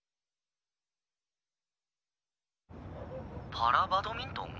パラバドミントン？